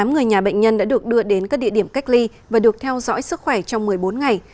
tám trăm linh tám người nhà bệnh nhân đã được đưa đến các địa điểm cách ly và được theo dõi sức khỏe trong một mươi bốn ngày